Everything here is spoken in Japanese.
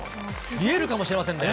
見えるかもしれませんね。